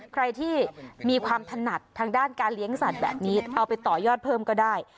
ใครที่มีความถนัดทางด้านการเลี้ยงสัตว์แบบนี้เอาไปต่อยอดเพิ่มก็ได้